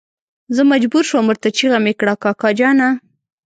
زه مجبور شوم ورته چيغه مې کړه کاکا جانه.